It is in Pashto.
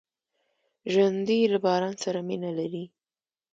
ژوندي له باران سره مینه لري